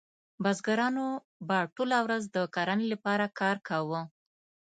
بزګرانو به ټوله ورځ د کرنې لپاره کار کاوه.